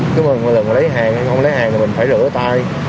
cứ một lần mà lấy hàng hay không lấy hàng thì mình phải rửa tay